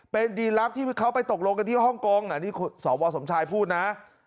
เป็นดีลับที่เขาไปตกลงกันที่ฮ่องกงอันนี้สวสมชายพูดนะ